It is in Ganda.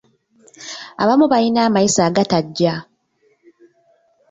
Abamu balina amayisa agatajja.